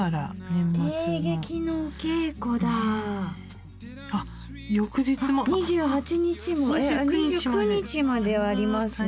えっ２９日までありますね